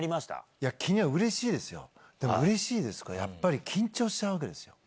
いや、うれしいですよ、でもうれしいですけど、やっぱり緊張しちゃうわけですよ。